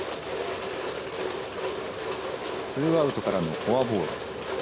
ツーアウトからのフォアボール。